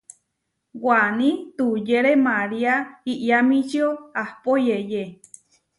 Waní tuyére María Iʼyamíčio ahpó yeyé.